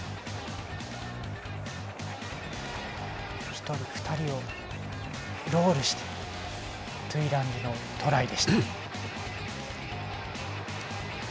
１人、２人、ロールしてトゥイランギのトライでした。